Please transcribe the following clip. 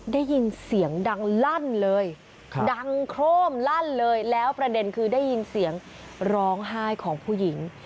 ได้ยินเสียงดังลั่นเลยดังโครมลั่นเลยแล้วประเด็นคือได้ยินเสียงร้องไห้ของผู้หญิง